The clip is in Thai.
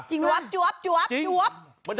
จวบจวบจวบจวบ